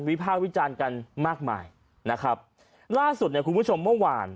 ภาควิจารณ์กันมากมายนะครับล่าสุดเนี่ยคุณผู้ชมเมื่อวาน